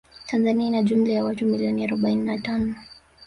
Tanzania ina jumla ya watu milioni arobaini na tano